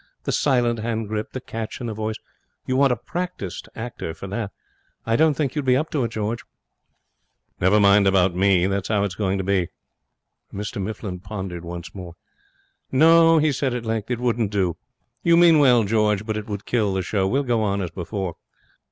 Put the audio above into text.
The silent hand grip, the catch in the voice. You want a practised actor for that. I don't think you'd be up to it, George.' 'Never mind about me. That's how it's going to be.' Mr Mifflin pondered once more. 'No,' he said at length, 'it wouldn't do. You mean well, George, but it would kill the show. We'll go on as before.'